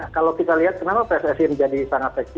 kalau kita lihat kenapa pssi menjadi sangat seksi